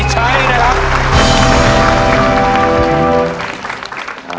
ไม่ใช้ได้ครับ